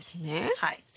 はい。